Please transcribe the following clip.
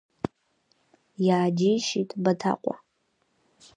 Иааџьеишьеит Баҭаҟәа.